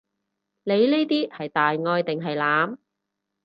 你呢啲係大愛定係濫？